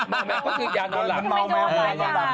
เมาแมวก็คืออย่างนอนหลังเมาแมวเหมือนเมาหลัง